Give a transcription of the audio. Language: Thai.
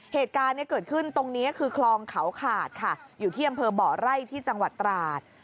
เหตุการณ์เนี่ยเกิดขึ้นตรงนี้คือคลองเขาขาดค่ะอยู่ที่อำเภอบ่อไร่ที่จังหวัดตราด